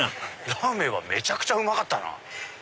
ラーメンはめちゃくちゃうまかったな。